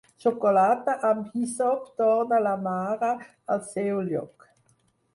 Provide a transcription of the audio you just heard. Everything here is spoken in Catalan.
Xocolata amb hisop torna la mare al seu lloc.